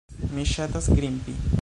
Mi ŝatas grimpi.